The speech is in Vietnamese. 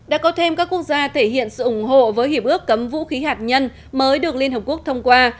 đã có thêm các quốc gia thể hiện sự ủng hộ với hiệp ước cấm vũ khí hạt nhân mới được liên hợp quốc thông qua